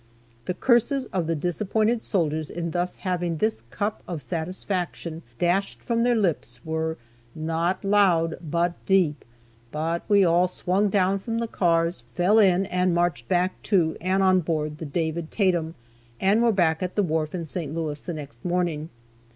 The curses of the disappointed soldiers in thus having this cup of satisfaction dashed from their lips were "not loud, but deep." But we all swung down from the cars, fell in, and marched back to and on board the "David Tatum," and were back at the wharf in St. Louis by next morning.